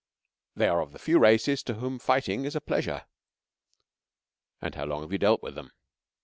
They are of the few races to whom fighting is a pleasure." "And how long have you dealt with them?"